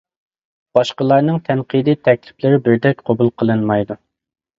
باشقىلارنىڭ تەنقىدى، تەكلىپلىرى بىردەك قوبۇل قىلىنمايدۇ.